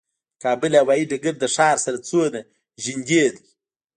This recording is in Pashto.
د کابل هوايي ډګر له ښار سره څومره نږدې دی؟